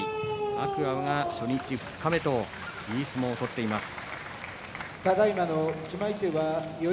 天空海が初日二日目といい相撲を取っています。